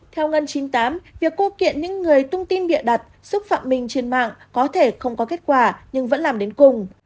theo ngân chín mươi tám việc cô kiện những người tung tin bịa đặt xúc phạm mình trên mạng có thể không có kết quả nhưng vẫn làm đến cùng